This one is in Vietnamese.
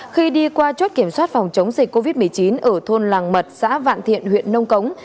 khi đi qua chốt kiểm soát phòng chống dịch covid một mươi chín ở thôn làng mật xã vạn thiện huyện nông cống